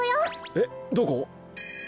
えっどこ？